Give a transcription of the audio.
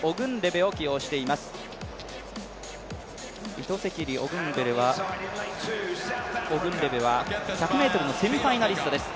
イトセキリ、オグンレベは１００ｍのセミファイナリストです。